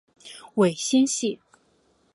尾纤细。